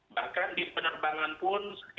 bahkan di penerbangan pun